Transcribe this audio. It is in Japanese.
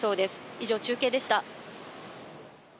以上、中継でした。